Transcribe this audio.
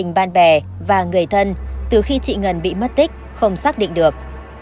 nhưng toàn bộ số tài sản trên gia đình bạn bè và người thân từ khi chị ngân bị mất tích không xác định được